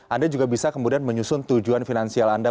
anda juga bisa kemudian menyusun tujuan finansial anda